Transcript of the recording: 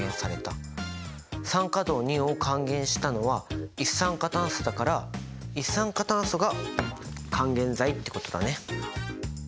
酸化銅を還元したのは一酸化炭素だから一酸化炭素が還元剤ってことだね。